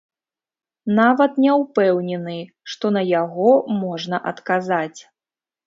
Нават не ўпэўнены, што на яго можна адказаць.